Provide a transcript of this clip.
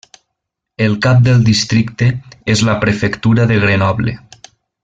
El cap del districte és la prefectura de Grenoble.